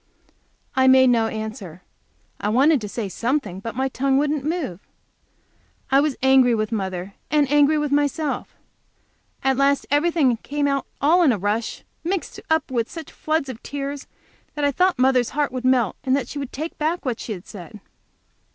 I made no answer. I wanted to say something, but my tongue wouldn't move. I was angry with mother, and angry with myself. At last everything came out all in a rush, mixed up with such floods of tears that I thought mother's heart would melt, and that she would take back what she had said.